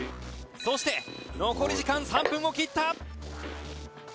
「そして残り時間３分を切った！」